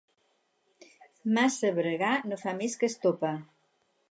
El massa bregar no fa més que estopa.